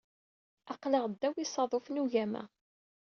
Aql-aɣ ddaw yisaḍufen n ugama.